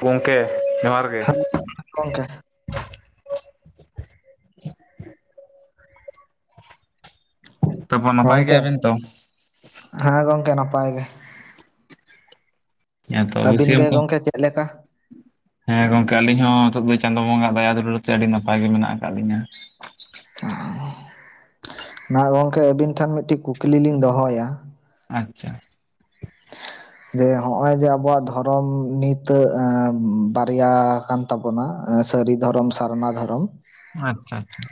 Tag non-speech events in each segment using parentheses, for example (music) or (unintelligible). ᱜᱚᱝᱠᱮ ᱡᱚᱦᱟᱨ ᱜᱮ᱾ ᱦᱮᱸ ᱜᱚᱝᱠᱮ ᱛᱟᱯᱚᱨ ᱱᱟᱯᱟᱭ ᱜᱚᱝᱠᱮ ᱜᱮᱭᱟᱵᱤᱱ ᱛᱚ? ᱦᱮᱸ ᱜᱚᱝᱠᱮ ᱱᱟᱯᱟᱭ ᱜᱮ᱾ ᱦᱮᱸᱛᱚ ᱟᱹᱵᱤᱱ ᱵᱟᱹᱥᱭᱟᱹᱢ ᱜᱮ ᱠᱚ ᱜᱚᱝᱠᱮ ᱪᱮᱫᱮ ᱞᱮᱠᱟ? ᱦᱮᱸ ᱜᱚᱝᱠᱮ ᱟᱹᱞᱤᱧ ᱦᱚᱸ ᱱᱤᱛᱚᱜ ᱫᱚ ᱪᱟᱸᱫᱳ ᱵᱚᱸᱜᱟ ᱫᱟᱭᱟ ᱫᱩᱩᱞᱟᱹᱲ ᱛᱮ ᱟᱹᱰᱤ ᱱᱟᱯᱟᱭ ᱜᱮ ᱢᱮᱱᱟᱜ ᱟᱠᱟᱫ ᱞᱤᱧᱟᱹ᱾ ᱢᱟ ᱜᱚᱝᱠᱮ ᱟᱹᱵᱤᱱ ᱴᱷᱮᱱ ᱢᱤᱫᱴᱤᱡ ᱠᱩᱠᱞᱤ ᱞᱤᱧ ᱫᱚᱦᱚᱭᱟ? ᱟᱪᱪᱷᱟ᱾ (unintelligible) ᱡᱮ ᱦᱚᱸᱜ-ᱚᱭ ᱡᱮ ᱟᱵᱚᱣᱟᱜ ᱫᱷᱚᱨᱚᱢ ᱱᱤᱛᱟᱹᱜ ᱵᱟᱨᱭᱟ ᱟᱠᱟᱱ᱾ ᱛᱟᱵᱚᱱᱟ ᱥᱟᱹᱨᱤ ᱫᱷᱚᱨᱚᱢ ᱥᱟᱨᱱᱟ ᱫᱷᱚᱨᱚᱢ᱾ ᱟᱪᱪᱷᱟ ᱟᱪᱪᱷᱟ᱾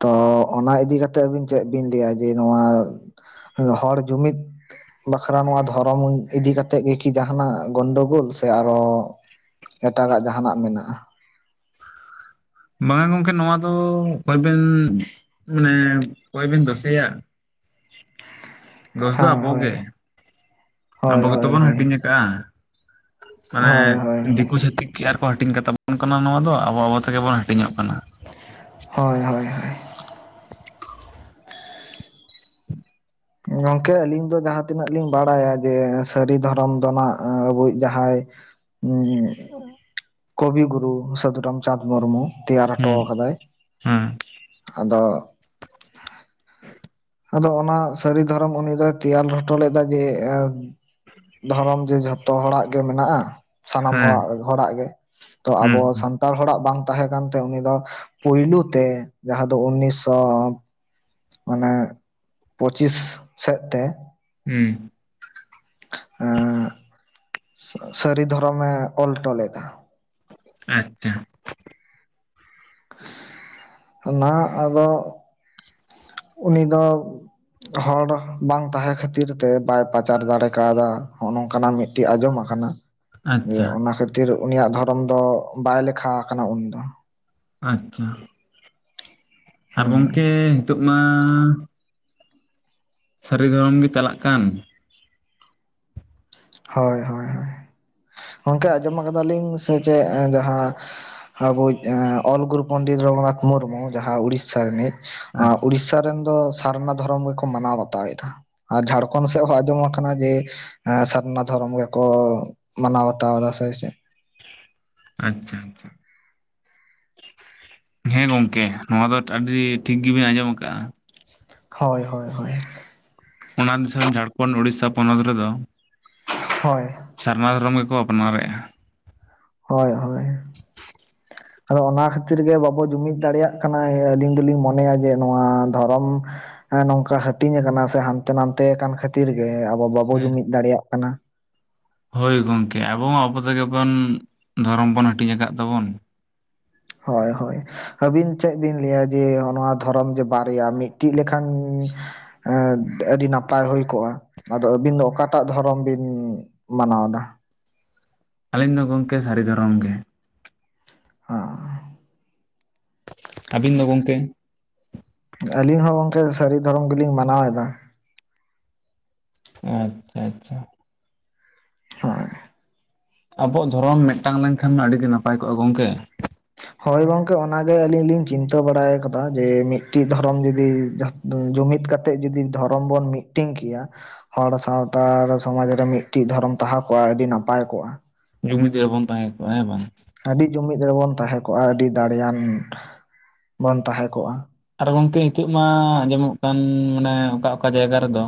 ᱛᱚ ᱚᱱᱟ ᱤᱫᱤ ᱠᱟᱛᱮᱜ ᱟᱹᱵᱤᱱ ᱪᱮᱫ ᱵᱤᱱ ᱞᱟᱹᱭᱟ? ᱡᱮ ᱱᱚᱣᱟ- ᱦᱚᱲ ᱡᱩᱢᱤᱫ ᱵᱟᱠᱷᱨᱟ ᱱᱚᱣᱟ ᱫᱷᱚᱨᱚᱢ ᱤᱫᱤ ᱠᱟᱛᱮᱫ ᱜᱮᱠᱤ ᱡᱟᱦᱟᱱᱟᱜ ᱜᱚᱱᱰᱜᱳᱞ ᱥᱮ ᱟᱨᱚ ᱮᱴᱟᱜᱟᱜ ᱡᱟᱦᱟᱱᱟᱜ ᱢᱮᱱᱟᱜᱼᱟ᱾ (unintelligible) ᱵᱟᱝᱟ ᱜᱚᱢᱠᱮ ᱱᱚᱣᱟ ᱫᱚ ᱚᱠᱚᱭ ᱵᱮᱱ ᱢᱟᱱᱮ ᱚᱠᱚᱭ ᱵᱤᱱ ᱫᱚᱥᱮᱭᱟ᱾ ᱫᱚᱥ ᱫᱚ ᱦᱮᱸ ᱟᱵᱚ ᱦᱳᱭ ᱜᱮ᱾ ᱦᱳᱭ ᱟᱵᱚ ᱜᱮᱛᱚ ᱦᱳᱭ ᱵᱚᱱ ᱦᱳᱭ ᱦᱟᱹᱴᱤᱧᱟ ᱠᱟᱜᱼᱟ᱾ ᱢᱟᱱᱮ ᱦᱳᱭ ᱦᱳᱭ ᱫᱤᱠᱩ ᱡᱟᱹᱛᱤ ᱟᱨ ᱠᱚ ᱦᱟᱹᱴᱤᱧ ᱠᱟᱛᱟ ᱵᱚᱱ ᱠᱟᱱᱟ ᱱᱚᱣᱟ ᱫᱚ ᱟᱵᱚ ᱟᱵᱚ ᱛᱮᱜᱮ ᱵᱚᱱ ᱦᱟᱹᱴᱤᱧᱚᱜ ᱠᱟᱱᱟ᱾ ᱦᱳᱭ ᱦᱳᱭ᱾ ᱜᱚᱝᱠᱮ ᱟᱹᱞᱤᱧ ᱫᱚ ᱡᱟᱦᱟᱸ ᱛᱤᱱᱟᱹᱜ ᱞᱤᱧ ᱵᱟᱲᱟᱭᱟ ᱡᱮ, ᱥᱟᱹᱨᱤ ᱫᱷᱚᱨᱚᱢ ᱫᱚ ᱱᱟᱜ ᱟᱵᱚᱭᱤᱡ ᱡᱟᱦᱟᱸᱭ ᱠᱚᱵᱤ ᱜᱩᱨᱩ ᱥᱟᱹᱫᱷᱩᱨᱟᱢᱪᱟᱸᱫᱽ ᱢᱩᱨᱢᱩ᱾ ᱛᱮᱭᱟᱨ ᱦᱚᱴᱚ ᱦᱩᱸ ᱟᱠᱟᱫᱟᱭ᱾ ᱦᱮᱸ ᱟᱫᱚ- ᱟᱫᱚ ᱚᱱᱟ ᱥᱟᱹᱨᱤ ᱫᱷᱚᱨᱚᱢ ᱩᱱᱤ ᱫᱚᱭ ᱛᱮᱭᱟᱞ ᱦᱚᱴᱚ ᱞᱮᱫᱟ ᱡᱮ, ᱫᱷᱚᱨᱚᱢ ᱡᱮ ᱡᱷᱚᱛᱚ ᱦᱚᱲᱟᱜ ᱜᱮ ᱢᱮᱱᱟᱜᱼᱟ ᱥᱟᱱᱟᱢ ᱦᱮᱸ ᱦᱚᱲ ᱦᱚᱲᱟᱜ ᱜᱮ, ᱛᱚ ᱦᱩᱸ ᱟᱵᱚ ᱥᱟᱱ ᱛᱟᱲ ᱦᱚᱲᱟᱜ ᱵᱟᱝ ᱛᱟᱦᱮᱸ ᱠᱟᱱᱛᱮ ᱩᱱᱤ ᱫᱚ ᱯᱩᱭᱞᱩ ᱛᱮ ᱡᱟᱦᱟᱸ ᱫᱚ ᱩᱱᱤᱥᱥᱚ ᱢᱟᱱᱮ ᱯᱚᱪᱤᱥ ᱥᱮᱫ ᱛᱮ ᱦᱮᱸ᱾ ᱮᱸ ᱥᱟᱹᱨᱤ ᱫᱷᱚᱨᱚᱢᱮ ᱚᱞ ᱴᱚ ᱞᱮᱫᱟ᱾ ᱟᱪᱪᱷᱟ᱾ ᱚᱱᱟ ᱟᱫᱚ ᱩᱱᱤ ᱫᱚ᱾ ᱦᱚᱲ ᱵᱟᱝ ᱛᱟᱦᱮᱸ ᱠᱷᱟᱹᱛᱤᱨ ᱛᱮ ᱵᱟᱭ ᱯᱪᱟᱨ ᱫᱟᱲᱮ ᱠᱟᱣᱫᱟ ᱱᱚ ᱱᱚᱝᱠᱟᱱᱟᱜ ᱢᱤ ᱟᱸᱡᱚᱢᱟ ᱠᱟᱱᱟ᱾ ᱡᱮ ᱟᱪᱪᱷᱟ ᱚᱱᱟ ᱠᱷᱟᱹᱛᱤᱨ ᱩᱱᱤᱭᱟᱜ ᱫᱷᱚᱨᱚᱢ ᱫᱚ ᱵᱟᱭ ᱞᱮᱠᱷᱟ ᱠᱟᱱᱟ ᱩᱱ ᱫᱚ᱾ ᱟᱪᱪᱷᱟ᱾ ᱟᱨ ᱦᱩᱸ ᱜᱚᱝᱠᱮ ᱱᱤᱛᱚᱜ ᱢᱟᱻ ᱥᱟᱹᱨᱤ ᱫᱷᱚᱨᱚᱢ ᱜᱮ ᱪᱟᱞᱟᱜ ᱠᱟᱱ᱾ ᱦᱳᱭ ᱦᱳᱭ ᱜᱚᱱᱠᱮ ᱟᱸᱡᱚᱢᱟ ᱠᱟᱫᱟ ᱞᱤᱧ ᱥᱮ ᱪᱮᱫ ᱡᱟᱦᱟᱸ ᱟᱵᱚᱭᱤᱡ ᱚᱞ ᱜᱩᱨᱩ ᱯᱚᱱᱰᱤᱛ ᱨᱚᱜᱷᱩᱱᱟᱛᱷ ᱢᱩᱨᱢᱩ ᱡᱟᱦᱟᱸ ᱩᱲᱤᱥᱥᱟ ᱨᱤᱱᱤᱡ ᱟᱪᱪᱷᱟ ᱩᱲᱤᱥᱥᱟ ᱨᱮᱱ ᱫᱚ ᱥᱟᱨᱱᱟ ᱫᱷᱚᱨᱚᱢ ᱜᱮᱠᱚ ᱢᱟᱱᱟᱣ ᱵᱟᱛᱟᱣ ᱮᱫᱟ, ᱟᱨ ᱡᱷᱟᱲᱠᱷᱚᱸᱰ ᱥᱮᱫ ᱦᱚᱸ ᱟᱸᱡᱚᱢ ᱟᱠᱟᱱᱟ ᱡᱮ ᱚᱱᱟ ᱫᱷᱚᱨᱚᱢ ᱜᱮᱠᱚ ᱢᱟᱱᱟᱣ ᱵᱟᱛᱟᱣ ᱮᱫᱟ ᱦᱳᱭ ᱥᱮ, ᱟᱪᱪᱷᱟ ᱟᱪᱪᱷᱟ ᱦᱮᱸ ᱜᱚᱝᱠᱮ ᱱᱚᱣᱟ ᱫᱚ ᱟᱹᱰᱤ ᱴᱷᱤᱠ ᱜᱮᱵᱤᱱ ᱟᱸᱡᱚᱢ ᱟᱠᱟᱫᱟ᱾ ᱦᱳᱭ ᱦᱳᱭ ᱦᱳᱭ ᱚᱱᱟ ᱫᱤᱥᱚᱢ ᱡᱷᱟᱲᱠᱷᱚᱸᱰ ᱩᱲᱤᱥᱥᱟ ᱯᱚᱱᱚᱛ ᱨᱮᱫᱚ ᱦᱳᱭ᱾ ᱥᱟᱨᱱᱟ ᱫᱷᱚᱨᱚᱢ ᱜᱮᱠᱚ ᱟᱯᱱᱟᱨᱮᱜᱼᱟ᱾ ᱦᱳᱭ ᱦᱳᱭ ᱟᱫᱚ ᱚᱱᱟ ᱠᱷᱟᱹᱛᱤᱨ ᱜᱮ ᱵᱟᱵᱚ ᱡᱩᱢᱤᱫ ᱫᱟᱲᱮᱭᱟᱜ ᱠᱟᱱᱟ, ᱟᱹᱞᱤᱧ ᱫᱚᱞᱤᱧ ᱢᱚᱱᱮᱭᱟ ᱡᱮ ᱱᱚᱣᱟ ᱫᱷᱚᱨᱚᱢ ᱱᱚᱝᱠᱟ ᱦᱟᱹᱴᱤᱧ ᱟᱠᱟᱱᱟ ᱥᱮ ᱦᱟᱱᱛᱮ ᱱᱟᱛᱮ ᱠᱷᱟᱹᱛᱤᱨ ᱜᱮ ᱟᱵᱚ ᱵᱟᱵᱚ ᱦᱮᱸ ᱡᱩᱢᱤᱫ ᱫᱟᱲᱮᱭᱟᱜ ᱠᱟᱱᱟ᱾ ᱦᱳᱭ ᱜᱚᱝᱠᱮ ᱟᱵᱚ ᱦᱚᱸ ᱟᱵᱚ ᱛᱮᱜᱮ ᱵᱚᱱ ᱫᱷᱚᱨᱚᱢ ᱵᱚᱱ ᱦᱟᱹᱴᱤᱧ ᱟᱠᱟᱫ ᱛᱟᱵᱚᱱ᱾ ᱦᱳᱭ ᱦᱳᱭ ᱟᱹᱵᱤᱱ ᱪᱮᱫ ᱵᱤᱱ ᱞᱟᱹᱭᱟ? ᱡᱮ ᱱᱚᱣᱟ ᱫᱷᱚᱨᱚᱢ ᱡᱮ ᱵᱟᱨᱭᱟ ᱢᱤᱫᱴᱤᱡ ᱞᱮᱠᱟᱱ ᱟᱹᱰᱤ ᱱᱟᱯᱟᱭ ᱦᱩᱭ ᱠᱚᱜᱼᱟ᱾ ᱟᱫᱚ ᱟᱹᱵᱤᱱ ᱫᱚ ᱚᱠᱟᱴᱟᱜ ᱫᱷᱚᱨᱚᱢ ᱵᱤᱱ ᱢᱟᱱᱟᱣ ᱮᱫᱟ? ᱟᱹᱞᱤᱧ ᱫᱚ ᱜᱚᱢᱠᱮ ᱥᱟᱹᱨᱤ ᱫᱷᱚᱨᱚᱢ ᱜᱮ ᱾ ᱦᱮᱸ ᱟᱹᱵᱤᱱ ᱫᱚ ᱜᱚᱢᱠᱮ ᱟᱹᱞᱤᱧ ᱦᱚᱸ ᱜᱚᱝᱠᱮ ᱥᱟᱹᱨᱤ ᱫᱷᱚᱨᱚᱢ ᱜᱮᱞᱤᱧ ᱢᱟᱱᱟᱣ ᱮᱫᱟ᱾ ᱟᱪᱪᱷᱟ ᱟᱪᱪᱷᱟ ᱦᱳᱭ ᱟᱵᱚᱣᱟᱜ ᱫᱷᱚᱨᱚᱢ ᱢᱤᱫᱴᱟᱝ ᱞᱮᱱᱠᱷᱟᱱ ᱢᱟ ᱟᱹᱰᱤ ᱜᱮ ᱱᱟᱯᱟᱭ ᱠᱚᱜᱼᱟ ᱜᱚᱝᱠᱮ ᱾ ᱦᱳᱭ ᱜᱚᱝᱠᱮ ᱚᱱᱟᱜᱮ ᱟᱹᱞᱤᱧ ᱞᱤᱧ ᱪᱤᱱᱛᱟᱹ ᱵᱟᱲᱟᱭ ᱟᱠᱟᱫᱟ ᱡᱮ ᱢᱤᱫᱴᱤᱡ ᱫᱷᱚᱨᱚᱢ ᱡᱩᱫᱤ ᱡᱩᱢᱤᱫ ᱠᱟᱛᱮᱜ ᱡᱩᱫᱤ ᱫᱷᱚᱨᱚᱢ ᱵᱚᱱ ᱢᱤᱫᱴᱟᱝ ᱠᱮᱭᱟ᱾ ᱦᱚᱲ ᱥᱟᱶᱛᱟᱲ ᱥᱚᱢᱟᱡᱽ ᱨᱮ ᱢᱤᱫᱴᱤᱡ ᱫᱷᱚᱨᱚᱢ ᱛᱟᱦᱮᱸ ᱠᱚᱜᱼᱟ ᱟᱹᱰᱤ ᱱᱟᱯᱟᱭ ᱠᱚᱜᱼᱟ᱾ ᱡᱩᱢᱤᱫ ᱨᱮᱵᱚᱱ ᱛᱟᱦᱮᱸ ᱠᱚᱜᱼᱟ ᱦᱮᱸ ᱵᱟᱝ ᱟᱹᱰᱤ ᱡᱩᱢᱤᱫ ᱨᱮᱵᱚᱱ ᱛᱟᱦᱮᱸ ᱠᱚᱜᱼᱟ ᱟᱹᱰᱤ ᱫᱟᱲᱮᱭᱟᱱ ᱵᱚᱱ ᱛᱟᱦᱮᱸ ᱠᱚᱜᱼᱟ᱾ ᱟᱨ ᱜᱚᱝᱠᱮ ᱱᱤᱛᱚᱜ ᱢᱟ ᱟᱸᱡᱚᱢᱚᱜ ᱠᱟᱱ ᱢᱟᱱᱮ ᱚᱠᱟ ᱚᱠᱟ ᱡᱟᱭᱜᱟ ᱨᱮᱫᱚ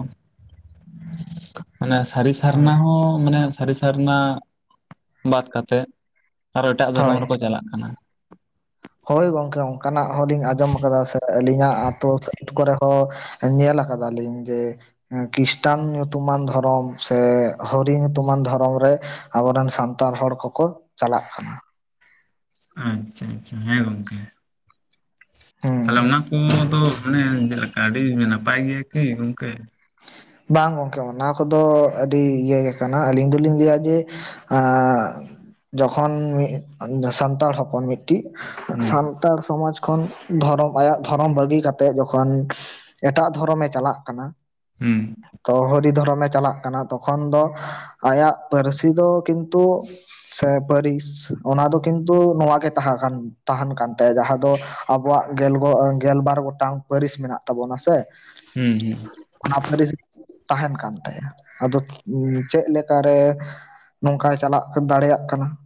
(unintelligible) ᱢᱟᱱᱮ ᱥᱟᱹᱨᱤ ᱥᱟᱨᱱᱟ ᱦᱳᱭ ᱦᱚᱸ ᱢᱟᱱᱮ ᱥᱟᱹᱨᱤ ᱥᱟᱨᱱᱟ ᱵᱟᱫ ᱠᱟᱛᱮᱜ᱾ ᱟᱨᱚ ᱮᱴᱟᱜ ᱫᱷᱚᱨᱚᱢ ᱦᱳᱭ ᱨᱮᱠᱚ ᱪᱟᱞᱟᱜ ᱠᱟᱱᱟ᱾ ᱦᱳᱭ ᱜᱚᱝᱠᱮ ᱚᱱᱠᱟᱱᱟᱜ ᱦᱚᱞᱤᱧ ᱟᱸᱡᱚᱢ ᱟᱠᱟᱫᱟ ᱥᱮ ᱟᱹᱞᱤᱧᱟᱜ ᱟᱹᱛᱩ ᱠᱚᱨᱮ ᱦᱚᱸ ᱧᱮᱞ ᱠᱟᱫᱟ ᱞᱤᱧ ᱡᱮ ᱠᱷᱨᱤᱥᱴᱟᱱ ᱧᱩᱛᱩᱢᱟᱱ ᱫᱷᱚᱨᱚᱢ ᱥᱮ ᱦᱚᱨᱤ ᱧᱩᱛᱩᱢᱟᱱ ᱫᱷᱚᱨᱚᱢ ᱨᱮ ᱟᱵᱚᱨᱮᱱ ᱥᱟᱱᱛᱟᱲ ᱦᱚᱲ ᱠᱚᱠᱚ ᱪᱟᱞᱟᱜ ᱠᱟᱱᱟ᱾ ᱟᱪᱪᱷᱟ ᱟᱪᱪᱷᱟ ᱦᱮᱸ ᱜᱚᱝᱠᱮ ᱛᱟᱦᱞᱮ ᱦᱩᱸ ᱚᱱᱟ ᱠᱚᱫᱚ ᱢᱟᱱᱮ ᱪᱮᱫᱮᱠᱟ ᱟᱹᱰᱤ ᱱᱟᱯᱟᱭ ᱜᱮᱭᱟ ᱠᱤ ᱜᱚᱝᱠᱮ ᱵᱟᱝ ᱜᱚᱝᱠᱮ ᱚᱱᱟ ᱠᱚᱫᱚ ᱟᱹᱰᱤ ᱤᱭᱟᱹ ᱜᱮ ᱠᱟᱱᱟ ᱟᱹᱞᱤᱧ ᱫᱚᱞᱤᱧ ᱞᱟᱹᱭᱟ ᱡᱮ ᱡᱚᱠᱷᱚᱱ ᱥᱟᱱᱛᱟᱲ ᱦᱚᱯᱚᱱ ᱢᱤᱫᱴᱤᱡ ᱦᱩᱸ ᱥᱟᱱᱛᱟᱲ ᱥᱚᱢᱟᱡᱽ ᱠᱷᱚᱱ ᱫᱷᱚᱨᱚᱢ ᱟᱭᱟᱜ ᱫᱷᱚᱨᱚᱢ ᱵᱟᱹᱜᱤ ᱠᱟᱛᱮᱫ ᱡᱚᱠᱷᱚᱱ ᱮᱴᱟᱜ ᱫᱷᱚᱨᱚᱢᱮ ᱪᱟᱞᱟᱜ ᱠᱟᱱᱟ᱾ ᱦᱮᱸ ᱛᱚ ᱦᱚᱨᱤ ᱫᱷᱚᱨᱚᱢᱮ ᱪᱟᱞᱟᱜ ᱠᱟᱱᱟ ᱛᱚᱠᱷᱚᱱ ᱫᱚ ᱟᱭᱟᱜ ᱯᱟᱹᱨᱥᱤ ᱫᱚ ᱠᱤᱱᱛᱩ ᱥᱟᱵᱟᱨᱤᱥ ᱚᱱᱟ ᱫᱚ ᱠᱤᱱᱛᱩ ᱱᱚᱣᱟ ᱜᱮ ᱛᱟᱦᱮᱸ ᱠᱟᱱ ᱛᱟᱦᱮᱱ ᱠᱟᱱ ᱛᱟᱭᱟ ᱡᱟᱦᱟᱸ ᱫᱚ ᱟᱵᱚᱣᱟᱜ ᱜᱮᱞ ᱜᱮᱞᱜᱚ ᱜᱮᱞᱵᱟᱨ ᱜᱚᱴ ᱴᱟᱝ ᱯᱟᱹᱨᱤᱥ ᱢᱮᱱᱟᱜ ᱛᱟᱵᱚᱱᱟ ᱥᱮ ᱾ ᱦᱮᱸ ᱦᱮᱸ ᱚᱱᱟ ᱯᱟᱹᱨᱤᱥ ᱛᱟᱦᱮᱱ ᱠᱟᱱ ᱛᱟᱭᱟ ᱟᱫᱚ ᱪᱮᱜ ᱞᱮᱠᱟᱨᱮ ᱾ ᱱᱚᱝᱠᱟᱭ ᱪᱟᱞᱟᱜ ᱫᱟᱲᱮᱭᱟᱜ ᱠᱟᱱᱟ ᱾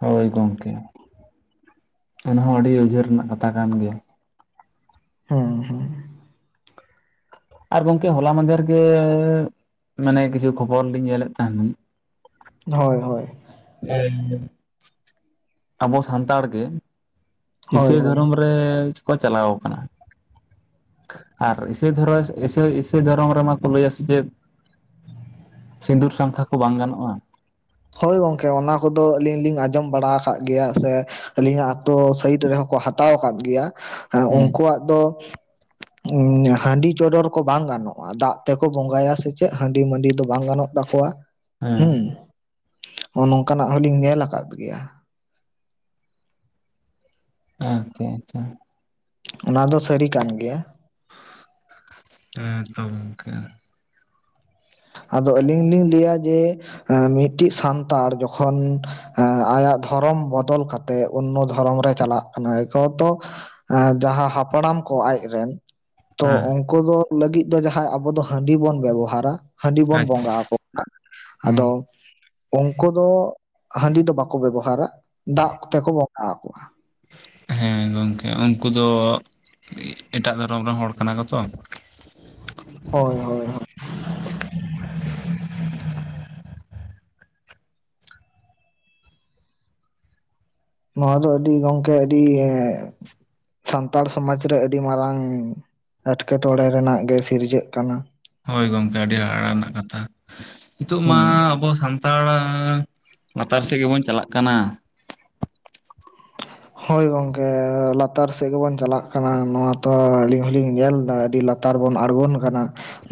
ᱦᱳᱭ ᱜᱚᱢᱠᱮ ᱚᱱᱟ ᱦᱚᱸ ᱟᱹᱰᱤ ᱩᱭᱦᱟᱹᱨ ᱨᱮᱱᱟᱜ ᱠᱟᱛᱷᱟ ᱠᱟᱱ ᱜᱮᱭᱟ ᱾ ᱦᱩᱸ ᱦᱩᱸ ᱟᱨ ᱜᱚᱝᱠᱮ ᱦᱚᱞᱟ ᱢᱟᱫᱷᱮᱨ ᱜᱮ ᱢᱟᱱᱮ ᱠᱤᱪᱷᱩ ᱠᱷᱚᱵᱚᱨ ᱞᱤᱧ ᱧᱮᱞᱮᱫ ᱛᱟᱦᱮᱱ ᱾ ᱦᱳᱭ ᱦᱳᱭ ᱟᱵᱚ ᱥᱟᱱᱛᱟᱲ ᱜᱮ ᱦᱳᱭ ᱤᱥᱟᱹᱭ ᱦᱳᱭ ᱫᱷᱚᱨᱚᱢ ᱨᱮᱠᱚ ᱪᱟᱞᱟᱣ ᱠᱟᱱᱟ ᱾ ᱟᱨ ᱤᱥᱟᱹᱭ ᱫᱷᱚᱨᱚᱢ ᱤᱥ ᱤᱥᱟᱹᱭ ᱫᱷᱚᱨᱚᱢ ᱨᱮᱢᱟ ᱠᱚ ᱞᱟᱹᱭᱟ ᱥᱮᱪᱮᱫ ᱥᱤᱸᱫᱩᱨ ᱥᱟᱸᱠᱷᱟ ᱠᱚ ᱵᱟᱝ ᱜᱟᱱᱚᱜᱼᱟ᱾ ᱦᱳᱭ ᱜᱚᱝᱠᱮ ᱚᱱᱟ ᱠᱚᱫᱚ ᱟᱞᱤᱧ ᱞᱤᱧ ᱟᱸᱡᱚᱢ ᱵᱟᱲᱟ ᱟᱠᱟᱫ ᱜᱮᱭᱟ ᱥᱮ᱾ ᱟᱹᱞᱤᱧᱟᱜ ᱟᱛᱳ ᱥᱟᱭᱤᱰ ᱨᱮᱦᱚᱸ ᱠᱚ ᱦᱟᱛᱟᱣ ᱟᱠᱟᱫ ᱜᱮᱭᱟᱸ ᱦᱩᱸ ᱩᱱᱠᱩᱣᱟᱜ ᱫᱚ ᱦᱟᱺᱰᱤ ᱪᱚᱰᱚᱨ ᱠᱚ ᱵᱟᱝ ᱜᱟᱱᱚᱜᱼᱟ ᱫᱟᱜ ᱛᱮᱠᱚ ᱵᱚᱸᱜᱟᱭᱟ ᱥᱮ ᱪᱮᱫ ᱦᱟᱺᱰᱤ ᱢᱟᱹᱰᱤ ᱫᱚ ᱵᱟᱝ ᱜᱟᱱᱚᱜ ᱠᱚᱣᱟᱜ ᱦᱩᱸ ᱱᱚᱝᱠᱟᱱᱟᱜ ᱦᱚᱞᱤᱧ ᱧᱮᱞ ᱟᱠᱟᱫ ᱜᱮᱭᱟ ᱾ (unintelligible) ᱚᱱᱟ ᱫᱚ ᱥᱟᱹᱨᱤ ᱠᱟᱱ ᱜᱮᱭᱟ ᱾ ᱦᱮᱸᱛᱚᱢ ᱜᱚᱝᱠᱮ ᱟᱫᱚ ᱟᱹᱞᱤᱧ ᱞᱤᱧ ᱞᱟᱹᱭᱟ ᱡᱮ ᱢᱤᱴᱤᱡ ᱥᱟᱱᱛᱟᱲ ᱡᱚᱠᱷᱚᱱ ᱟᱭᱟᱜ ᱫᱷᱚᱨᱚᱢ ᱵᱚᱫᱚᱞ ᱠᱟᱛᱮ ᱛᱮ ᱚᱱᱱᱚ ᱫᱷᱚᱨᱚᱢ ᱨᱮ ᱪᱟᱞᱟᱜ ᱠᱟᱱᱟᱭ ᱠᱚ ᱛᱚ ᱡᱟᱦᱟᱸ ᱦᱟᱯᱲᱟᱢ ᱠᱚ ᱟᱡᱨᱮ ᱨᱮᱱ ᱛᱚ ᱦᱮᱸ ᱩᱱᱠᱩ ᱫᱚ ᱞᱟᱹᱜᱤᱫ ᱫᱚ ᱡᱟᱦᱟᱸᱭ ᱟᱵᱚ ᱫᱚ ᱦᱟᱺᱰᱤ ᱵᱚᱱ ᱵᱮᱵᱚᱦᱟᱨᱟ ᱦᱟᱺᱰᱤ ᱵᱚᱱ ᱟᱪᱪᱷᱟ ᱵᱚᱸᱜᱟ ᱟᱠᱚ ᱟᱫᱚ ᱦᱮᱸ ᱩᱱᱠᱩ ᱫᱚ ᱦᱟᱺᱰᱤ ᱫᱚ ᱵᱟᱠᱚ ᱵᱮᱵᱚᱦᱟᱨᱟ ᱫᱟᱜ ᱛᱮᱠᱚ ᱵᱚᱸᱜᱟ ᱟᱠᱚᱣᱟ ᱾ ᱦᱮᱸ ᱜᱚᱢᱠᱮ ᱩᱱᱠᱩ ᱫᱚ ᱮᱴᱟᱜ ᱫᱷᱚᱨᱚᱢ ᱨᱮᱱ ᱦᱚᱲ ᱠᱟᱱᱟ ᱠᱚᱛᱚ ᱾ ᱦᱳᱭ ᱦᱳᱭ ᱱᱚᱣᱟ ᱫᱚ ᱟᱹᱰᱤ ᱜᱚᱝᱠᱮ ᱟᱹᱰᱤ ᱥᱟᱱᱛᱟᱲ ᱥᱚᱢᱟᱡᱽ ᱨᱮ ᱟᱹᱰᱤ ᱢᱟᱨᱟᱝ ᱮᱴᱠᱮᱴᱚᱬᱮ ᱨᱮᱱᱟᱜ ᱜᱮ ᱥᱤᱨᱡᱟᱹᱜ ᱠᱟᱱᱟ ᱾ ᱦᱳᱭ ᱜᱚᱢᱠᱮ ᱟᱹᱰᱤ ᱦᱟᱦᱟᱲᱟᱜ ᱨᱮᱱᱟᱜ ᱠᱟᱛᱷᱟ ᱱᱤᱛᱚᱜ ᱢᱟ ᱦᱩᱸ ᱟᱵᱚ ᱥᱟᱱ ᱛᱟᱲᱟᱝ ᱞᱟᱛᱟᱨ ᱥᱮᱫ ᱜᱮᱵᱚᱱ ᱪᱟᱞᱟᱜ ᱠᱟᱱᱟ ᱾ ᱦᱳᱭ ᱜᱚᱝᱠᱮ ᱞᱟᱛᱟᱨ ᱥᱮᱜ ᱜᱮᱵᱚᱱ ᱪᱟᱞᱟᱜ ᱠᱟᱱᱟ ᱱᱚᱣᱟ ᱛᱚ ᱟᱹᱞᱤᱧ ᱦᱚᱞᱤᱧ ᱧᱮᱞ ᱮᱫᱟ ᱟᱹᱰᱤ ᱞᱟᱹᱛ ᱛᱟᱨ ᱵᱚᱱ ᱟᱬᱜᱚᱱ ᱠᱟᱱᱟ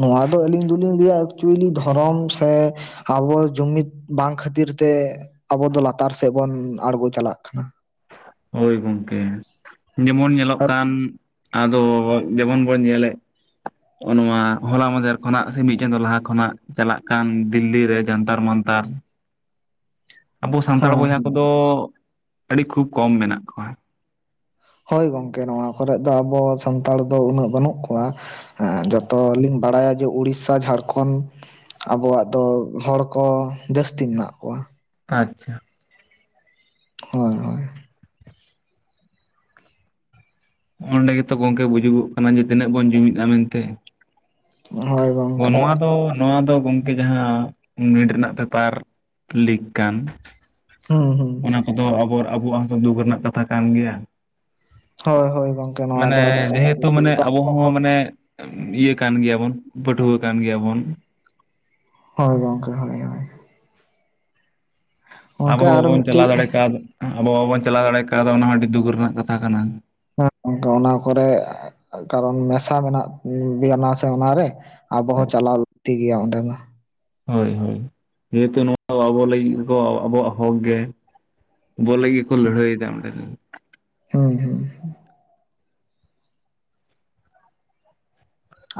ᱱᱚᱣᱟ ᱫᱚ ᱟᱹᱞᱤᱧ ᱫᱚᱞᱤᱧ ᱞᱟᱹᱭᱟ ᱮᱠᱪᱩᱭᱮᱞᱤ ᱫᱷᱚᱨᱚᱢ ᱥᱮ ᱟᱵᱚ ᱡᱩᱢᱤᱫ ᱵᱟᱝ ᱠᱷᱟᱹᱛᱤᱨ ᱛᱮ ᱟᱵᱚ ᱫᱚ ᱞᱟᱛᱟᱨ ᱥᱮᱫ ᱵᱚᱱ ᱟᱬᱜᱳ ᱪᱟᱞᱟᱜ ᱠᱟᱱᱟ ᱾ ᱦᱳᱭ ᱜᱚᱝᱠᱮ ᱡᱮᱢᱚᱱ ᱧᱮᱞᱚᱜ ᱠᱟᱱ ᱟᱫᱚ ᱡᱮᱢᱚᱱ ᱵᱚᱱ ᱧᱮᱞᱮᱫ ᱚ ᱱᱚᱣᱟ ᱦᱚᱞᱟ ᱢᱟᱫᱷᱮᱨ ᱠᱷᱚᱱᱟᱜ ᱥᱮ ᱢᱤᱫ ᱪᱟᱸᱫᱚ ᱞᱟᱦᱟ ᱠᱷᱚᱱᱟᱜ ᱪᱟᱞᱟᱜ ᱠᱟᱱ ᱫᱤᱞᱞᱤ ᱨᱮ ᱡᱟᱱᱛᱟᱨ ᱢᱟᱱᱛᱟᱨ ᱾ ᱟᱵᱚ ᱥᱟᱱᱛᱟᱲ ᱦᱮᱸ ᱵᱚᱭᱦᱟ ᱠᱚᱫᱚ ᱟᱹᱰᱤ ᱠᱷᱩᱵ ᱠᱚᱢ ᱢᱮᱱᱟᱜ ᱠᱚᱣᱟ ᱾ ᱦᱳᱭ ᱜᱚᱢᱠᱮ ᱱᱚᱣᱟ ᱠᱚᱨᱮᱜ ᱫᱚ ᱟᱵᱚ ᱥᱟᱱᱛᱟᱲ ᱫᱚ ᱩᱱᱟᱹᱜ ᱵᱟᱹᱱᱩᱜ ᱠᱚᱣᱟ ᱾ ᱦᱮᱸ ᱡᱚᱛᱚ ᱞᱤᱧ ᱵᱟᱲᱟᱭᱟ ᱡᱮ ᱩᱲᱤᱥ ᱥᱟ ᱡᱷᱟᱲᱠᱷᱚᱸᱰ ᱟᱵᱚᱣᱟᱜ ᱫᱚ ᱦᱚᱲ ᱠᱚ ᱡᱟᱹᱥᱛᱤ ᱢᱮᱱᱟᱜ ᱠᱚᱣᱟ ᱾ ᱟᱪᱪᱷᱟ ᱦᱳᱭ ᱦᱳᱭ (inaudible) ᱚᱸᱰᱮ ᱜᱮᱛᱚ ᱜᱚᱝᱠᱮ ᱵᱩᱡᱩᱜᱚᱜ ᱠᱟᱱᱟ ᱡᱮ ᱛᱤᱱᱟᱹᱜ ᱵᱚᱱ ᱡᱩᱢᱤᱫᱼᱟ ᱢᱮᱱᱛᱮ ᱾ ᱦᱚᱭ ᱵᱟᱝ ᱱᱚᱣᱟ ᱫᱚ ᱱᱚᱣᱟ ᱫᱚ ᱜᱚᱝᱠᱮ ᱡᱟᱦᱟᱸ ᱱᱤᱴ ᱨᱮᱱᱟᱜ ᱯᱮᱯᱟᱨ ᱞᱤᱠ ᱠᱟᱱ ᱦᱩᱸ ᱦᱩᱸ ᱚᱱᱟ ᱠᱚᱫᱚ ᱟᱵᱚ ᱟᱵᱚᱣᱟᱜ ᱦᱚᱸ ᱫᱩᱠ ᱨᱮᱱᱟᱜ ᱠᱟᱛᱷᱟ ᱠᱟᱱ ᱜᱮᱭᱟ ᱦᱳᱭ ᱦᱳᱭ ᱜᱚᱝᱠᱮ ᱱᱚᱣᱟ ᱢᱟᱱᱮ ᱫᱚ ᱡᱮᱦᱮᱛᱩ ᱢᱟᱱᱮ ᱟᱵᱚ ᱦᱚᱸ ᱢᱟᱱᱮ ᱤᱭᱟᱹ ᱠᱟᱱ ᱜᱮᱭᱟᱵᱚᱱ ᱯᱟᱹᱴᱷᱩᱣᱟᱹ ᱠᱟᱱ ᱜᱮᱭᱟᱵᱚᱱ ᱦᱳᱭ ᱜᱚᱝᱠᱮ ᱦᱳᱭ ᱦᱳᱭ ᱟᱵᱚ ᱜᱚᱝᱠᱮ ᱦᱚᱸ ᱟᱨ ᱵᱟᱵᱚᱱ ᱪᱟᱞᱟᱣ ᱢᱤᱫᱴᱤᱡ ᱫᱟᱲᱮ ᱠᱟᱣᱫ ᱟᱵᱚ ᱵᱟᱵᱚᱱ ᱪᱟᱞᱟᱣ ᱫᱟᱲᱮ ᱠᱟᱣᱫᱟ ᱚᱱᱟ ᱦᱚᱸ ᱟᱹᱰᱤ ᱫᱩᱠ ᱨᱮᱱᱟᱜ ᱠᱟᱛᱷᱟ ᱠᱟᱱᱟ ᱦᱮᱸ ᱜᱚᱢᱠᱮ ᱚᱱᱟ ᱠᱚᱨᱮ ᱠᱟᱨᱚᱱ ᱢᱮᱥᱟ ᱢᱮᱱᱟᱜ ᱵᱮᱱᱟ ᱥᱮ ᱚᱱᱟᱨᱮ ᱟᱵᱚ ᱦᱚᱸ ᱪᱟᱞᱟᱣ ᱞᱟᱹᱠᱛᱤ ᱜᱮᱭᱟ ᱚᱸᱰᱮ ᱫᱚ ᱦᱳᱭ ᱦᱳᱭ ᱡᱮᱦᱮᱛᱩ ᱱᱚᱣᱟ ᱟᱵᱚ ᱞᱟᱹᱜᱤᱫ ᱠᱚ ᱟᱵᱚᱣᱟᱜ ᱦᱚᱠ ᱜᱮ ᱵᱚᱞ ᱞᱟᱹᱜᱤᱛ ᱠᱚ ᱞᱟᱹᱭᱦᱟᱹᱭ ᱫᱟ ᱚᱸᱰᱮ ᱫᱚ ᱾ ᱦᱩᱸ ᱦᱩᱸ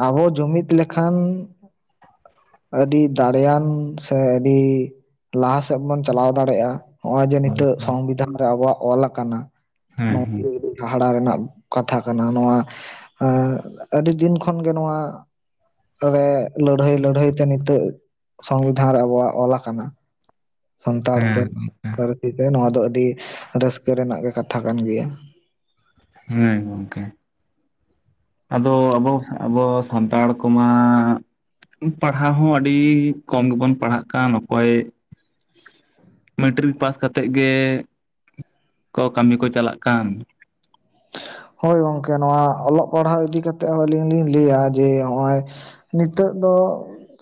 ᱟᱵᱚ ᱡᱩᱢᱤᱫ ᱞᱮᱠᱷᱟᱱ ᱟᱹᱰᱤ ᱫᱟᱲᱮᱭᱟᱱ ᱥᱮ ᱟᱹᱰᱤ ᱞᱟᱦᱟ ᱥᱮᱫ ᱵᱚᱱ ᱪᱟᱞᱟᱣ ᱫᱟᱲᱮᱭᱟᱜᱼᱟ ᱱᱚᱜᱚᱭ ᱡᱮ ᱦᱳᱭ ᱱᱤᱛᱚᱜ ᱦᱳᱭ ᱥᱚᱝᱵᱤᱫᱷᱟᱱ ᱨᱮ ᱟᱵᱚᱣᱟᱜ ᱚᱞ ᱟᱠᱟᱱᱟ ᱦᱮᱸ ᱱᱚ ᱦᱮᱸ ᱦᱟᱦᱲᱟ ᱨᱮᱱᱟᱜ ᱠᱟᱛᱷᱟ ᱠᱟᱱᱟ ᱱᱚᱣᱟ ᱮ ᱟᱹᱰᱤ ᱫᱤᱱ ᱠᱷᱚᱱᱜᱮ ᱱᱚᱣᱟ ᱛᱚᱵᱮ ᱞᱟᱹᱲᱦᱟᱹᱭ ᱞᱟᱹᱲᱦᱟᱹᱭ ᱛᱮ ᱱᱤᱛᱚᱜ ᱥᱚᱝᱵᱤᱫᱷᱟᱱ ᱨᱮ ᱟᱵᱚᱣᱟᱜ ᱚᱞ ᱟᱠᱟᱱᱟ ᱦᱮᱸ ᱥᱟᱱᱛᱟᱲᱛᱮ ᱜᱚᱝᱠᱮ ᱯᱟᱹᱨᱥᱤ ᱛᱮ ᱱᱚᱣᱟ ᱫᱚ ᱟᱹᱰᱤ ᱨᱟᱹᱥᱠᱟᱹ ᱨᱮᱱᱟᱜ ᱜᱮ ᱠᱟᱛᱷᱟ ᱠᱟᱱ ᱜᱮᱭᱟ ᱦᱮᱸ ᱜᱚᱢᱠᱮ ᱟᱫᱚ ᱟᱵᱚ ᱟᱵᱚ ᱥᱟᱱᱛᱟᱲ ᱠᱚᱢᱟ ᱯᱟᱲᱦᱟᱣ ᱦᱚᱸ ᱟᱹᱰᱤ ᱠᱚᱢ ᱜᱮᱵᱚᱱ ᱯᱟᱲᱦᱟᱜ ᱠᱟᱱ ᱚᱠᱚᱭ ᱢᱮᱴᱨᱤᱠ ᱯᱟᱥ ᱠᱟᱛᱮᱫ ᱜᱮ ᱠᱚ ᱠᱟᱹᱢᱤ ᱠᱚ ᱪᱟᱞᱟᱜ ᱠᱟᱱ ᱦᱳᱭ ᱜᱚᱢᱠᱮ ᱱᱚᱣᱟ ᱚᱞᱚᱜ ᱯᱟᱲᱦᱟᱣ ᱤᱫᱤ ᱠᱟᱛᱮᱜ ᱦᱚᱸ ᱟᱹᱞᱤᱧ ᱞᱤᱧ ᱞᱟᱹᱭᱟ ᱡᱮ ᱱᱚᱜᱼᱚᱭ ᱱᱤᱛᱚᱜ ᱫᱚ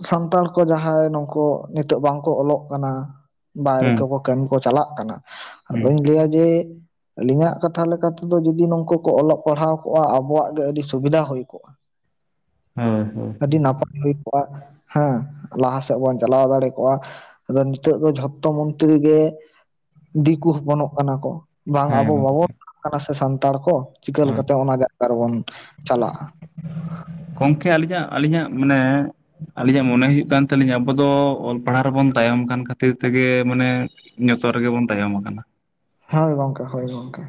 ᱥᱟᱱᱛᱟᱲ ᱠᱚ ᱡᱟᱦᱟᱸᱭ ᱱᱩᱠᱩ ᱱᱤᱛᱚᱜ ᱵᱟᱝᱠᱚ ᱚᱞᱚᱜ ᱠᱟᱱᱟ ᱵᱟᱭᱨᱮ ᱦᱮᱸ ᱠᱚ ᱠᱟᱹᱢᱤ ᱠᱚ ᱪᱟᱞᱟᱜ ᱠᱟᱱᱟ ᱦᱮᱸ ᱟᱫᱚᱧ ᱞᱟᱹᱭᱟ ᱡᱮ ᱟᱹᱞᱤᱧᱟᱜ ᱠᱟᱛᱷᱟ ᱞᱮᱠᱟᱛᱮᱫᱚ ᱡᱩᱫᱤ ᱱᱚᱝᱠᱩ ᱠᱚ ᱚᱞᱚᱜ ᱯᱟᱲᱦᱟᱣ ᱠᱚᱜᱼᱟ ᱟᱵᱚᱣᱟᱜ ᱜᱮ ᱟᱹᱰᱤ ᱥᱩᱵᱤᱫᱷᱟ ᱦᱩᱭ ᱠᱚᱜᱼᱟ ᱦᱳᱭ ᱦᱳᱭ ᱟᱹᱰᱤ ᱱᱟᱯᱟᱭ ᱦᱩᱭ ᱠᱚᱜᱼᱟ ᱦᱮᱸ ᱞᱟᱦᱟ ᱥᱮᱫ ᱵᱚᱱ ᱪᱟᱞᱟᱣ ᱫᱟᱲᱮ ᱠᱚᱜᱼᱟ ᱟᱫᱚ ᱱᱤᱛᱚᱜ ᱫᱚ ᱡᱷᱚᱛᱚ ᱢᱚᱱᱛᱨᱤ ᱜᱮ ᱫᱤᱠᱩ ᱦᱚᱯᱚᱱᱚᱜ ᱠᱟᱱᱟ ᱠᱚ ᱵᱟᱝ ᱟᱵᱚ ᱦᱮᱸ ᱵᱟᱵᱚᱱ ᱠᱟᱱᱟ ᱥᱮ ᱥᱟᱱᱛᱟᱲ ᱠᱚ ᱪᱤᱠᱟᱹ ᱦᱳᱭ ᱞᱮᱠᱟᱛᱮ ᱚᱱᱟ ᱡᱟᱭᱜᱟ ᱨᱮᱵᱚᱱ ᱪᱟᱞᱟᱜᱼᱟ? ᱜᱚᱝᱠᱮ ᱟᱹᱞᱤᱧᱟᱜ ᱟᱹᱞᱤᱧᱟᱜ ᱢᱟᱱᱮ ᱟᱹᱞᱤᱧᱟᱜ ᱢᱚᱱᱮ ᱦᱩᱭᱩᱜ ᱠᱟᱱ ᱛᱟᱞᱤᱧᱟ ᱟᱵᱚ ᱫᱚ ᱚᱞ ᱯᱟᱲᱦᱟᱣ ᱨᱮᱵᱚᱱ ᱛᱟᱭᱚᱢ ᱠᱟᱱ ᱠᱷᱟᱹᱛᱤᱨ ᱛᱮᱜᱮ ᱢᱟᱱᱮ ᱡᱚᱛᱚ ᱨᱮᱜᱮ ᱵᱚᱱ ᱛᱟᱭᱚᱢ ᱟᱠᱟᱱᱟ ᱦᱳᱭ ᱜᱚᱝᱠᱮ ᱦᱳᱭ ᱜᱚᱝᱠᱮ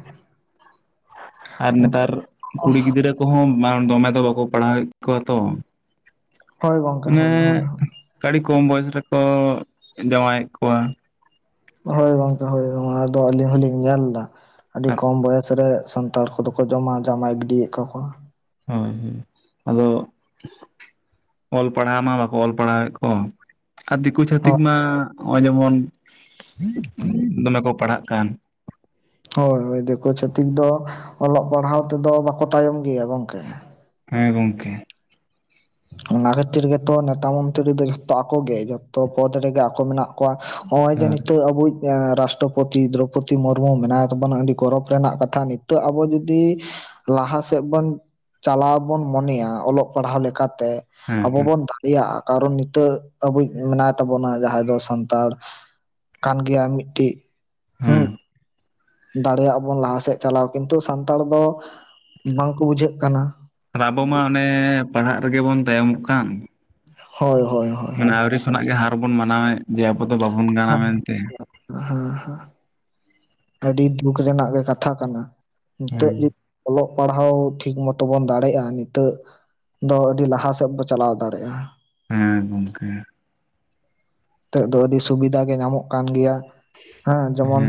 ᱟᱨ ᱱᱮᱛᱟᱨ ᱠᱩᱲᱤ ᱜᱤᱫᱽᱨᱟᱹ ᱠᱚᱦᱚᱸ ᱫᱚᱢᱮ ᱫᱚ ᱵᱟᱠᱚ ᱯᱟᱲᱦᱟᱣᱮᱫ ᱠᱚᱣᱟ ᱛᱚ ᱦᱳᱭ ᱜᱚᱝᱠᱮ ᱢᱟᱱᱮ ᱦᱳᱭ ᱦᱳᱭ ᱟᱹᱰᱤ ᱠᱚᱢ ᱵᱚᱭᱮᱥ ᱨᱮᱠᱚ ᱡᱟᱶᱟᱭᱮᱫ ᱠᱚᱣᱟ ᱦᱳᱭ ᱜᱚᱝᱠᱮ ᱦᱳᱭ ᱟᱫᱚ ᱟᱹᱞᱤᱧ ᱦᱚᱞᱤᱧ ᱧᱮᱞ ᱮᱫᱟ ᱟᱹᱰᱤ ᱠᱚᱢ ᱵᱚᱭᱮᱥ ᱨᱮ ᱥᱟᱱᱛᱟᱲ ᱠᱚᱫᱚ ᱠᱚ ᱡᱚᱢᱟ ᱡᱟᱢᱟᱭ ᱜᱤᱰᱤᱭᱮᱫ ᱠᱚᱣᱟ ᱠᱚ ᱦᱳᱭ ᱦᱳᱭ ᱟᱫᱚ ᱚᱞ ᱯᱟᱲᱦᱟᱣ ᱢᱟ ᱵᱟᱠᱚ ᱚᱞ ᱯᱟᱲᱦᱟᱣᱮᱫ ᱠᱚᱣᱟ ᱟᱨ ᱫᱤᱠᱩ ᱪᱷᱟᱹᱛᱤᱠ ᱢᱟ ᱱᱚᱜᱼᱚᱭ ᱡᱮᱢᱚᱱ ᱫᱚᱢᱮ ᱠᱚ ᱯᱟᱲᱦᱟᱜ ᱠᱟᱱ ᱦᱳᱭ ᱦᱳᱭ ᱫᱤᱠᱩ ᱪᱷᱟᱛᱤᱠ ᱫᱚ ᱚᱞᱚᱜ ᱯᱟᱲᱦᱟᱣ ᱛᱮᱫᱚ ᱵᱟᱠᱚ ᱛᱟᱭᱚᱢ ᱜᱮᱭᱟ ᱜᱚᱝᱠᱮ ᱦᱮᱸ ᱜᱚᱢᱠᱮ ᱚᱱᱟ ᱠᱷᱟᱹᱛᱤᱨ ᱜᱮᱛᱚ ᱱᱮᱛᱟ ᱢᱚᱱᱛᱨᱤ ᱨᱮᱫᱚ ᱡᱷᱚᱛᱚ ᱟᱠᱚᱜᱮ ᱡᱷᱚᱛᱚ ᱯᱚᱫ ᱨᱮᱜᱮ ᱟᱠᱚ ᱢᱮᱱᱟᱜ ᱱᱚᱜᱼᱚᱭ ᱡᱮ ᱦᱮᱸ ᱱᱤᱛᱚᱜ ᱟᱵᱚᱭᱤᱡ ᱮᱸᱻ ᱨᱟᱥᱴᱨᱚᱯᱚᱛᱤ ᱫᱽᱨᱳᱯᱚᱛᱤ ᱢᱩᱨᱢᱩ ᱢᱮᱱᱟᱭ ᱛᱟᱵᱚᱱᱟ ᱟᱹᱰᱤ ᱜᱚᱨᱚᱵᱽ ᱨᱮᱱᱟᱜ ᱠᱟᱛᱷᱟ ᱱᱤᱛᱚᱜ ᱟᱵᱚ ᱡᱩᱫᱤᱼᱼ ᱞᱟᱦᱟ ᱥᱮᱜ ᱵᱚᱱ ᱪᱟᱞᱟᱣ ᱵᱩᱱ ᱢᱚᱱᱮᱭᱟ ᱚᱞᱚᱜ ᱯᱟᱲᱦᱟᱣ ᱞᱮᱠᱟ ᱛᱮ ᱦᱮᱸ ᱟᱵᱚ ᱦᱮᱸ ᱵᱚᱱ ᱫᱟᱼᱼ ᱨᱮᱭᱟᱜ ᱟ ᱠᱟᱨᱚᱱ ᱱᱤᱛᱟᱹᱜ ᱟᱵᱚᱭᱤᱡ ᱢᱮᱱᱟᱭ ᱛᱟᱵᱚᱱᱟ ᱡᱟᱦᱟᱸᱭ ᱫᱚ ᱥᱟᱱᱛᱟᱲᱼᱼ ᱠᱟᱱ ᱜᱮᱭᱟ ᱢᱤᱫᱴᱤᱡᱼᱼ ᱦᱮᱸ᱾ ᱫᱟᱲᱮᱭᱟᱜ-ᱟ ᱵᱚᱱ ᱞᱟᱦᱟ ᱥᱮᱜ ᱪᱟᱞᱟᱣ ᱠᱤᱱᱛᱩ ᱥᱟᱱᱛᱟᱲ ᱫᱚ ᱵᱟᱝ ᱠᱚ ᱵᱩᱡᱷᱟᱹᱜ ᱠᱟᱱᱟ᱾ ᱟᱨ ᱟᱵᱚ ᱢᱟ ᱚᱱᱮ ᱯᱟᱲᱦᱟᱜ ᱨᱮᱜᱮ ᱵᱚᱱ ᱛᱟᱭᱚᱢᱚᱜ ᱠᱟᱱ᱾ ᱦᱚᱭ ᱦᱚᱭ ᱦᱚᱭ᱾ ᱢᱟᱱᱮ ᱟᱣᱨᱤ ᱠᱷᱚᱱᱟᱜ ᱜᱮ ᱦᱟᱨ ᱵᱚᱱ ᱢᱟᱱᱟᱣᱮᱫ ᱡᱮ ᱟᱵᱚ ᱫᱚ ᱵᱟᱵᱚᱱ ᱜᱟᱱᱟ ᱢᱮᱱ ᱛᱮ᱾ ᱦᱟᱸ ᱦᱟᱸ ᱟᱹᱰᱤ ᱫᱩᱠ ᱨᱮᱱᱟᱜ ᱜᱮ ᱠᱟᱛᱷᱟ ᱠᱟᱱᱟ᱾ ᱦᱮᱸ ᱱᱤᱛᱟᱹᱜ ᱡᱤᱫ ᱚᱞᱚᱜ ᱯᱟᱲᱦᱟᱣ ᱴᱷᱤᱠ ᱢᱚᱛᱚ ᱵᱚᱱ ᱫᱟᱲᱮᱜ-ᱟ ᱱᱤᱛᱟᱹᱜᱼᱼ ᱫᱚ ᱟᱹᱰᱤ ᱞᱟᱦᱟ ᱥᱮᱜ ᱵᱚ ᱪᱟᱞᱟᱣ ᱫᱟᱲᱮᱜ-ᱟ᱾ ᱦᱮᱸ ᱜᱚᱢᱠᱮ ᱱᱤᱛᱚᱜ ᱫᱚ ᱟᱹᱰᱤ ᱥᱩᱵᱤᱫᱷᱟ ᱜᱮ ᱧᱟᱢᱚᱜ ᱠᱟᱱ ᱜᱮᱭᱟ ᱦᱮᱸ ᱡᱮᱢᱚᱱ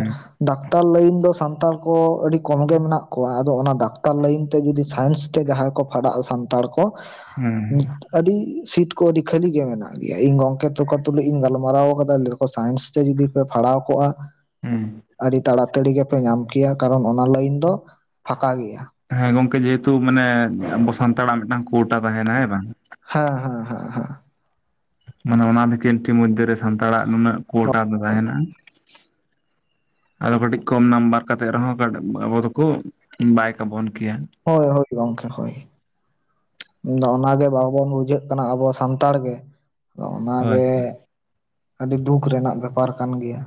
ᱰᱟᱠᱛᱟᱨ ᱞᱟᱹᱭᱤᱱ ᱫᱚ ᱥᱟᱱᱛᱟᱲ ᱠᱚ ᱟᱹᱰᱤ ᱠᱚᱢ ᱜᱮ ᱢᱮᱱᱟᱜ ᱠᱚᱣᱟ ᱟᱫᱚ ᱚᱱᱟ ᱰᱟᱠᱛᱟᱨ ᱞᱟᱹᱭᱤᱱ ᱛᱮ ᱡᱩᱫᱤ ᱥᱟᱭᱮᱱᱥ ᱛᱮ ᱡᱟᱦᱟᱸᱭ ᱠᱚ ᱯᱷᱟᱰᱟᱜᱼᱟ ᱥᱟᱱᱛᱟᱲ ᱠᱚ ᱩᱸ᱾ ᱱᱤᱛ ᱟᱹᱰᱤ ᱥᱤᱴ ᱠᱚ ᱟᱹᱰᱤ ᱠᱷᱟᱹᱞᱤ ᱜᱮ ᱢᱮᱱᱟᱜ ᱜᱮᱭᱟ ᱤᱧ ᱜᱚᱝᱠᱮ ᱛᱮᱠᱚ ᱛᱩᱞᱩᱡᱼᱼ ᱤᱧ ᱜᱟᱞᱢᱟᱨᱟᱣ ᱠᱟᱫᱟ ᱞᱟᱹᱭ ᱫᱟᱠᱚ ᱥᱟᱭᱮᱱᱥ ᱛᱮ ᱡᱩᱫᱤ ᱯᱮ ᱯᱷᱟᱲᱦᱟᱣ ᱠᱚᱜ-ᱟ ᱦᱮᱸ ᱟᱹᱰᱤ ᱛᱟᱲᱟᱼᱼ ᱛᱟᱹᱲᱤ ᱜᱮᱯᱮ ᱧᱟᱢ ᱠᱮᱭᱟ ᱠᱟᱨᱚᱱ ᱚᱱᱟ ᱞᱟᱹᱭᱤᱱ ᱫᱚ ᱯᱷᱟᱠᱟ ᱜᱮᱭᱟ᱾ ᱦᱮᱸ ᱜᱚᱝᱠᱮ ᱡᱮ ᱦᱮᱛᱩ ᱢᱟᱱᱮᱫ ᱟᱵᱚ ᱥᱟᱱᱛᱟᱲᱟᱜ ᱢᱤᱫᱴᱟᱝ ᱠᱳᱴᱟ ᱛᱟᱦᱮᱸᱱᱟ ᱦᱮᱸ ᱵᱟᱝ᱾ ᱦᱮᱸ ᱦᱮᱸ ᱦᱮᱸ ᱦᱮᱸ᱾ ᱢᱟᱱᱮ ᱚᱱᱟ ᱵᱷᱮᱠᱮᱱᱴᱤ ᱢᱩᱡᱽᱫᱷᱮ ᱨᱮ ᱥᱟᱱᱛᱟᱲᱟᱜ ᱱᱩᱱᱟᱹᱜ ᱠᱳᱴᱟ ᱫᱚ ᱛᱟᱦᱮᱱᱟ᱾ ᱟᱫᱚ ᱠᱟᱹᱴᱤᱡ ᱠᱚᱢ ᱱᱟᱢᱵᱟᱨ ᱠᱟᱛᱮᱜ ᱨᱮᱦᱚᱸ ᱠᱟᱹᱴᱤᱡ ᱟᱵᱚ ᱫᱚᱠᱚ ᱵᱟᱭ ᱠᱟᱵᱚᱱ ᱠᱮᱭᱟ᱾ ᱦᱚᱭ ᱦᱚᱭ ᱜᱚᱝᱠᱮ ᱦᱚᱭ᱾ ᱤᱧ ᱫᱚ ᱚᱱᱟ ᱜᱮ ᱵᱟᱵᱚᱱ ᱵᱩᱡᱷᱟᱹᱜ ᱠᱟᱱᱟ ᱟᱵᱚ ᱥᱟᱱᱛᱟᱲ ᱜᱮ᱾ ᱟᱫᱚ ᱚᱱᱟ ᱦᱳᱭ ᱜᱮ ᱟᱹᱰᱤ ᱫᱩᱠᱷ ᱨᱮᱱᱟᱜ ᱵᱮᱯᱟᱨ ᱠᱟᱱ ᱜᱮᱭᱟ᱾